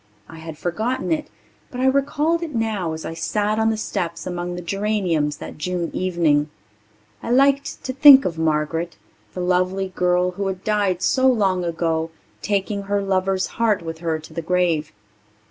I had forgotten it, but I recalled it now as I sat on the steps among the geraniums that June evening. I liked to think of Margaret ... the lovely girl who had died so long ago, taking her lover's heart with her to the grave.